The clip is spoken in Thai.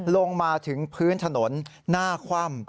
ลงมาถึงพื้นถนนหน้าคว่ำ